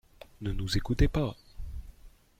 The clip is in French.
Ne nous écoutez pas.